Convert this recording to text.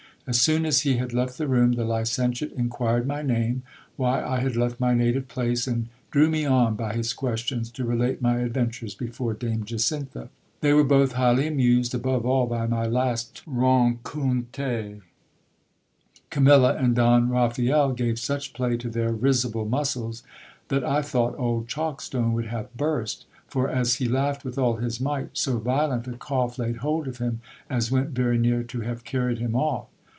As soon as he had left the room, the licentiate inquired my name, why I had left my native place ; and drew me on by his questions to relate my adventures before Dame Jacintha. They were both highly amused, above all by my last rencounter. Camilla and Don Raphael gave such play to their risible muscles, that I thought old chalkstone would have burst : for, as he laughed with all his might, so violent a cough laid hold of him, as went very near to have carried him off.